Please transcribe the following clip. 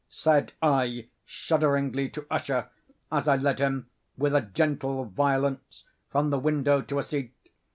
said I, shudderingly, to Usher, as I led him, with a gentle violence, from the window to a seat.